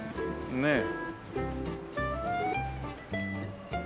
ねえ。